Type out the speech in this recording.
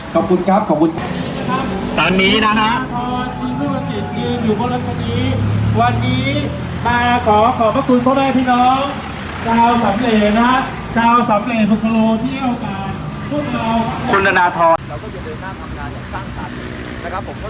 ขอบคุณครับขอบคุณ